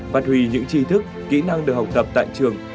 phát huy những trí thức kỹ năng được học tập tại trường